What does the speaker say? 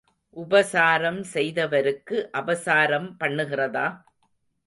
உபசாரம் செய்தவருக்கு அபசாரம் பண்ணுகிறதா?